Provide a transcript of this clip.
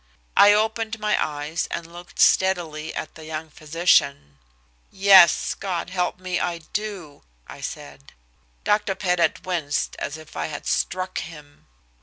I opened my eyes and looked steadily at the young physician. "Yes, God help me. I do!" I said. Dr. Pettit winced as if I had struck him.